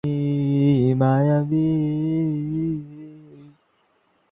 বছর দশেক আগেও ইংল্যান্ডের জন্য অ্যাশেজ মানেই ছিল স্রেফ ব্যবধান কমানোর লড়াই।